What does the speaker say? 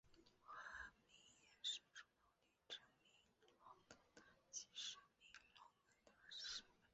河名衍生出当地镇名琅南塔及省名琅南塔省。